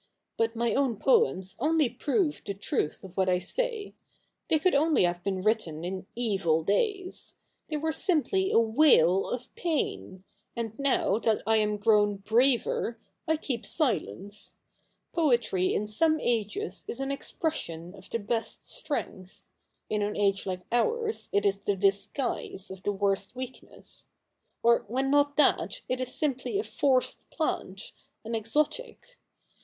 But my own poems only prove the truth of what I say. They could only have been written in evil days. They were simply a wail of pain ; and now that I am grown braver, I keep silence. Poetry in some ages is an expression of the best strength ; in an age like ours it is the disguise of the worst weakness — or, when not that, it is simply a forced plant, an exotic.